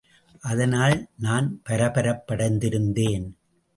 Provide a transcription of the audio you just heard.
அதனால் நான் பரபரப்படைந்திருந்தேன்.